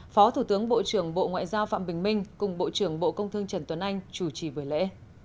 phó thủ tướng bộ trưởng bộ ngoại giao phạm bình minh cùng bộ trưởng bộ công thương trần tuấn anh chủ trì buổi lễ